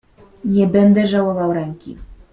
"Nie będę żałował ręki."